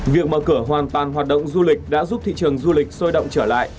việc mở cửa hoàn toàn hoạt động du lịch đã giúp thị trường du lịch sôi động trở lại